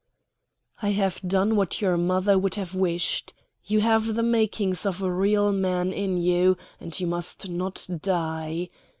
"I have done what your mother would have wished. You have the makings of a real man in you, and you must not die.